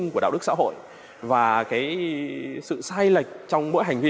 cái sự sai lệch trong mỗi hành vi